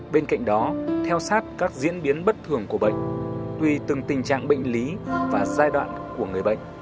bên cạnh đó theo sát các diễn biến bất thường của bệnh tùy từng tình trạng bệnh lý và giai đoạn của người bệnh